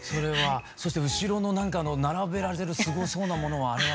そして後ろのなんか並べられてるすごそうなものはあれは？